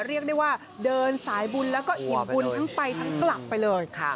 เรียกได้ว่าเดินสายบุญแล้วก็อิ่มบุญทั้งไปทั้งกลับไปเลย